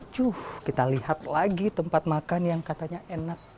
cuh kita lihat lagi tempat makan yang katanya enak